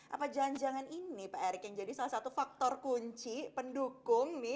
apa janjangan ini pak erik yang jadi salah satu faktor kunci pendukung nih